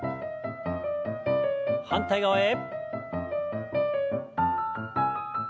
反対側へ。